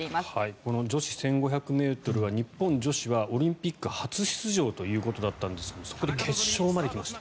この女子１５００ｍは日本女子はオリンピック初出場ということだったんですがそこで決勝まで来ました。